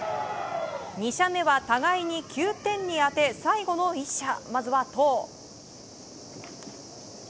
２射目は互いに９点に当て最後の１射、まずはトウ。